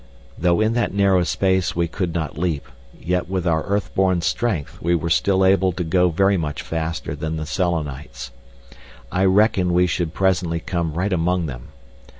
Though in that narrow space we could not leap, yet with our earth born strength we were still able to go very much faster than the Selenites. I reckoned we should presently come right among them.